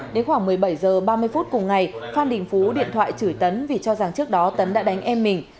đến khoảng một mươi bảy h ba mươi phút cùng ngày phan đình phú điện thoại chửi tấn vì cho rằng trước đó tấn đã đánh em mình